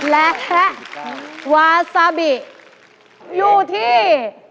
และวาซาบิอยู่ที่